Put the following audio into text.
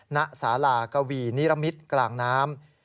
ณสารากวีนิรมิตรกลางน้ำ